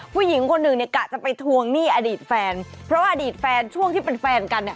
ผู้หญิงคนหนึ่งเนี่ยกะจะไปทวงหนี้อดีตแฟนเพราะว่าอดีตแฟนช่วงที่เป็นแฟนกันเนี่ย